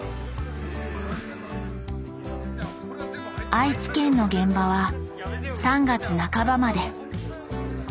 愛知県の現場は３月半ばまで。